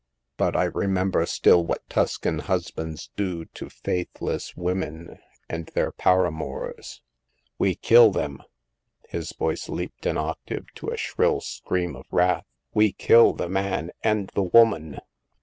But I re member still what Tuscan husbands do to faith less women and their paramours. We kill them !"— his voice leaped an octave to a shrill scream of wrath —" we kill the man and the woman